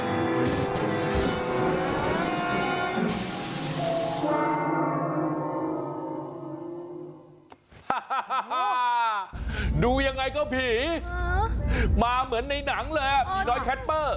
ดูยังไงก็ผีมาเหมือนในหนังเลยอ่ะผีน้อยแคปเปอร์